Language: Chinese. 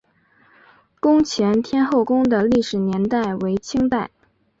宫前天后宫的历史年代为清代。